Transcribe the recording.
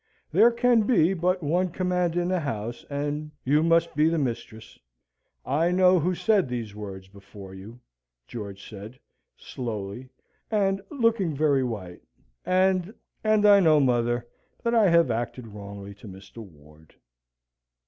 "There can be but one command in the house, and you must be mistress I know who said those words before you," George said, slowly, and looking very white "and and I know, mother, that I have acted wrongly to Mr. Ward."